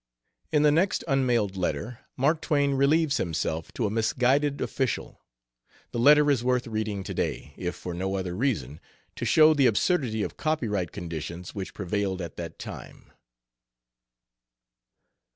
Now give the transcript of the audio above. In the next unmailed letter Mark Twain relieves himself to a misguided official. The letter is worth reading today, if for no other reason, to show the absurdity of copyright conditions which prevailed at that time.